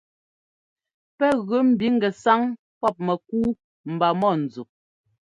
Pɛ́ gɛ ḿbi ŋgɛsáŋ pɔ́p mɛkúu mba mɔ̂nzu.